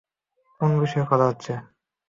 কোন বিষয়ে কথা হচ্ছে?